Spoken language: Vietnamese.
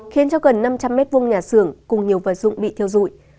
khiến cho gần năm trăm linh m hai nhà xưởng cùng nhiều vật dụng bị thiêu dụi